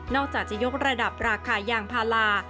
อกจากจะยกระดับราคายางพารา